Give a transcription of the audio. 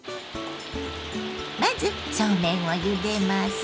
まずそうめんをゆでます。